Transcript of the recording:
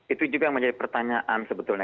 itu juga yang menjadi pertanyaan sebetulnya